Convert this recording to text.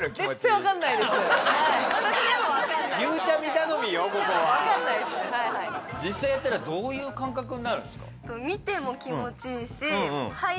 はいはい実際やったらどういう感覚になるんですか？